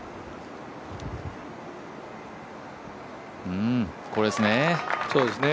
うん、これですね。